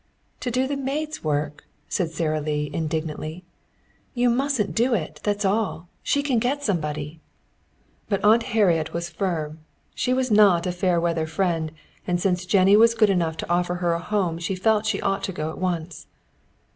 "To do the maid's work!" said Sara Lee indignantly. "You mustn't do it, that's all! She can get somebody." But Aunt Harriet was firm. She was not a fair weather friend, and since Jennie was good enough to offer her a home she felt she ought to go at once.